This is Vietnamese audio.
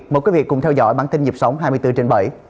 mời quý vị cùng theo dõi bản tin nhịp sống hai mươi bốn trên bảy